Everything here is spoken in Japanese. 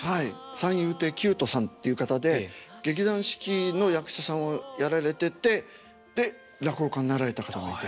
三遊亭究斗さんっていう方で劇団四季の役者さんをやられててで落語家になられた方がいて。